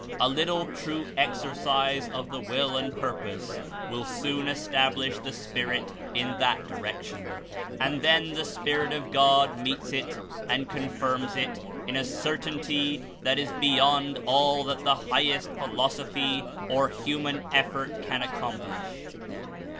A little true exercise of the will and purpose will soon establish the spirit in that direction, and then the Spirit of God meets it and confirms it in a certainty that is beyond all that the highest philosophy or human effort can accomplish.